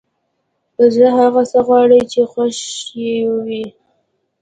زړه هغه څه غواړي چې خوښ يې وي!